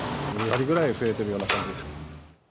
２割ぐらい増えてるような感じです。